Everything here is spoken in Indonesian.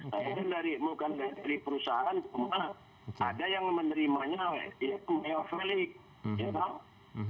saya bukan dari perusahaan cuma ada yang menerimanya ya tahu